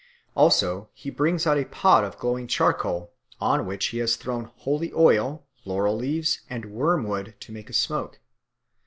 Also he brings out a pot of glowing charcoal on which he has thrown holy oil, laurel leaves, and wormwood to make a smoke.